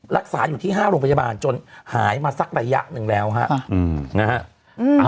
รักษาอยู่ที่๕โรงพยาบาลจนหายมาสักระยะหนึ่งแล้วฮะนะฮะ